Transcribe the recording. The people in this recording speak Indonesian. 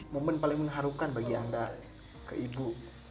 momen paling mengharukan bagi anda ke ibu